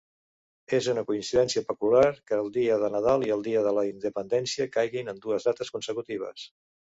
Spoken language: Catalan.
És una coincidència peculiar que el dia de Nadal i el dia de la Independència caiguin en dues dates consecutives.